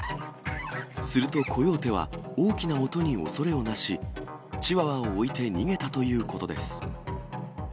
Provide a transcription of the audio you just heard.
するとコヨーテは大きな音に恐れをなし、チワワを置いて逃げたということです。